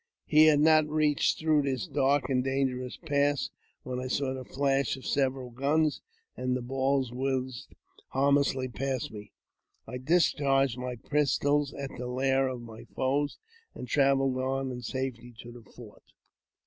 He had not reached through this dark and dangerous pass •■ when I saw the flash of several guns, and the balls whizzed fl harmlessly past me. I discharged my pistols at the lair of"" my foes, and travelled on in safety to the fort.